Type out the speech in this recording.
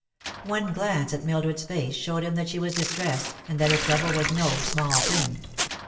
One glance at Mildred's face showed him that she was dis tressed, and that her trouble was no small thing.